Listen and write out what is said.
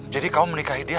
jadi kamu menikahi dia